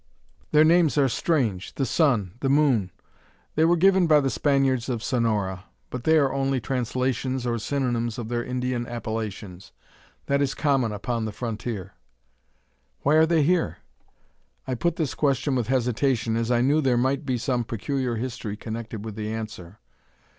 "Their names are strange: `The Sun,' `The Moon'!" "They were given by the Spaniards of Sonora; but they are only translations or synonyms of their Indian appellations. That is common upon the frontier." "Why are they here?" I put this question with hesitation, as I knew there might be some peculiar history connected with the answer.